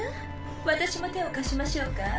私も手を貸しましょうか？